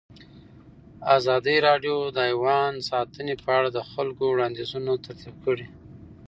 ازادي راډیو د حیوان ساتنه په اړه د خلکو وړاندیزونه ترتیب کړي.